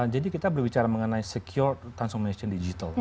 jadi kita berbicara mengenai secure transformation digital